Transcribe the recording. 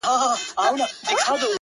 په دومره سپینو کي عجیبه انتخاب کوي!!